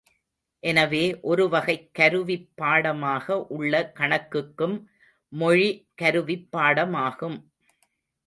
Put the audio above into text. எனவே, ஒருவகைக் கருவிப் பாடமாக உள்ள கணக்குக்கும் மொழி கருவிப்பாடமாகும்.